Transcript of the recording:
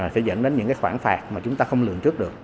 sẽ dẫn đến những khoản phạt mà chúng ta không lường trước được